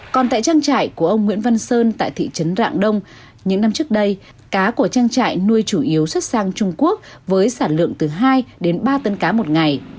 còn tại trang trại của ông nguyễn văn sơn tại thị trấn rạng đông những năm trước đây cá của trang trại nuôi chủ yếu xuất sang trung quốc với sản lượng từ hai đến ba tấn cá một ngày